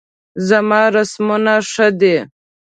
زما رسمونه ښه دي